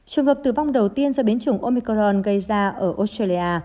trường hợp tử vong đầu tiên do biến chủng omicorn gây ra ở australia